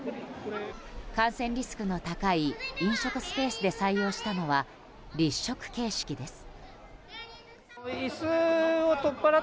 感染リスクの高い飲食スペースで採用したのは立食形式です。